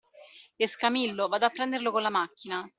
Escamillo vada a prenderlo con la macchina.